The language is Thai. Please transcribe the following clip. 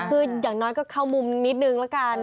คืออย่างน้อยก็เข้ามุมนิดนึงละกัน